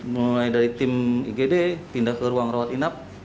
mulai dari tim igd pindah ke ruang rawat inap